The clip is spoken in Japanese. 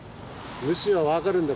虫は分かるんだ